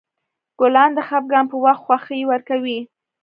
ګلان د خفګان په وخت خوښي ورکوي.